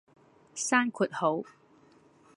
閂括號